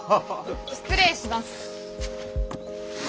失礼します。